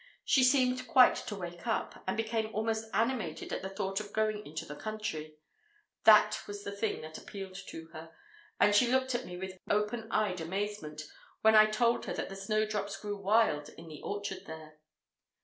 She seemed quite to wake up, and became almost animated at the thought of going into the country. That was the thing that appealed to her; and she looked at me with open eyed amazement when I told her that the snowdrops grew wild in the orchard there.